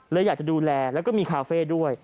อยากจะดูแลแล้วก็มีคาเฟ่ด้วย